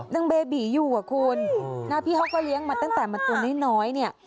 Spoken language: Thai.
เบบีอยู่อ่ะคุณนะพี่เขาก็เลี้ยงมาตั้งแต่มันตัวน้อยเนี่ย